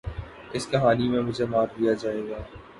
ﺍﺱ ﮐﮩﺎﻧﯽ ﻣﯿﮟ ﻣﺠﮭﮯ ﻣﺎﺭ ﺩﯾﺎ ﺟﺎﺋﮯ ﮔﺎ